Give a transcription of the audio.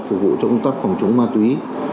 phục vụ trong công tác phòng chống ma túy